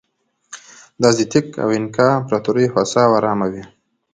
د ازتېک او اینکا امپراتورۍ هوسا او ارامه وې.